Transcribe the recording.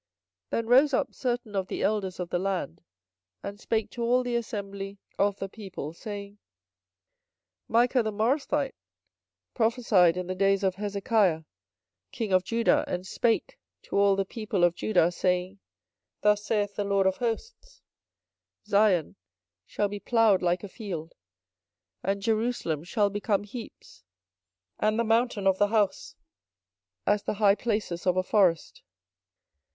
24:026:017 Then rose up certain of the elders of the land, and spake to all the assembly of the people, saying, 24:026:018 Micah the Morasthite prophesied in the days of Hezekiah king of Judah, and spake to all the people of Judah, saying, Thus saith the LORD of hosts; Zion shall be plowed like a field, and Jerusalem shall become heaps, and the mountain of the house as the high places of a forest.